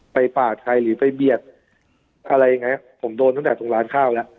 ไปปาดใครหรือไปเบียดอะไรไงผมโดนตั้งแต่ตรงร้านข้าวแล้ว